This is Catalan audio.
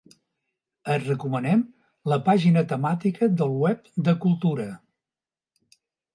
Et recomanem la pàgina temàtica del web de Cultura.